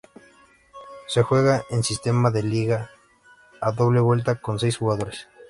Se juega en sistema de liga a doble vuelta, con seis jugadores.